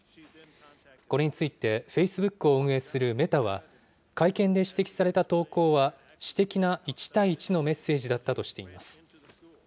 これについてフェイスブックを運営するメタは、会見で指摘された投稿は、私的な一対一のメッセージだったとしています。